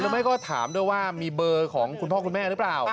ไม่ก็ถามด้วยว่ามีเบอร์ของคุณพ่อคุณแม่หรือเปล่า